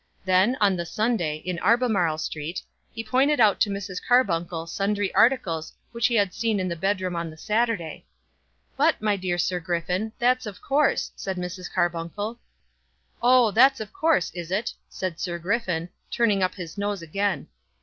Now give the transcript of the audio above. Then, on the Sunday, in Albemarle Street, he pointed out to Mrs. Carbuncle sundry articles which he had seen in the bedroom on the Saturday. "But, my dear Sir Griffin, that's of course," said Mrs. Carbuncle. "Oh; that's of course, is it?" said Sir Griffin, turning up his nose again.